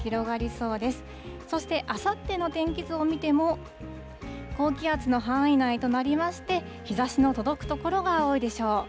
そして、あさっての天気図を見ても、高気圧の範囲内となりまして、日ざしの届く所が多いでしょう。